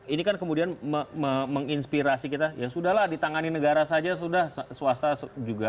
ini kan kemudian menginspirasi kita ya sudah lah ditangani negara saja sudah swasta juga